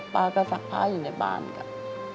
ป้าก็ซักผ้าอยู่ในบ้านครับ